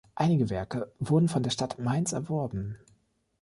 Einige Werke wurden von der Stadt Mainz erworben.